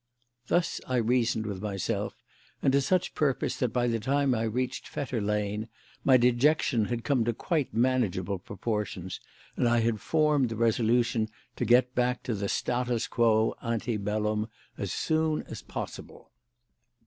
Thus I reasoned with myself, and to such purpose that, by the time I reached Fetter Lane, my dejection had come to quite manageable proportions and I had formed the resolution to get back to the status quo ante bellum as soon as possible.